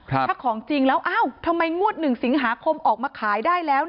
ถ้าของจริงแล้วอ้าวทำไมงวดหนึ่งสิงหาคมออกมาขายได้แล้ว